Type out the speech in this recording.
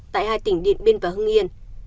tại hai tỉnh điện biên và hưng yên